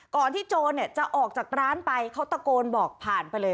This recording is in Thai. ที่โจรจะออกจากร้านไปเขาตะโกนบอกผ่านไปเลย